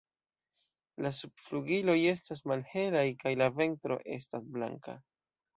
La subflugiloj estas malhelaj kaj la ventro estas blanka.